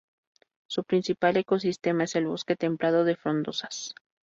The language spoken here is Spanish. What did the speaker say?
Su principal ecosistema es el Bosque templado de frondosas.